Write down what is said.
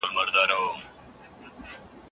خیرات ورکول د نېکۍ نښه ده.